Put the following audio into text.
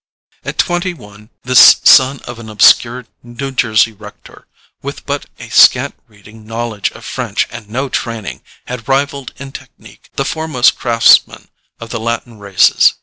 At twenty one this son of an obscure New Jersey rector, with but a scant reading knowledge of French and no training, had rivaled in technique the foremost craftsmen of the Latin races.